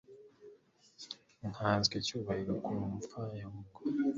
nkanswe icyubahiro ku mupfayongo.